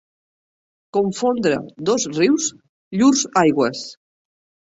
Confondre dos rius llurs aigües.